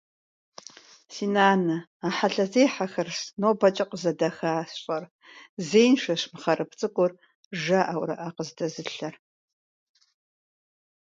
Правильно избранной темой этих общих прений является «Роль посредничества в урегулировании споров мирными средствами».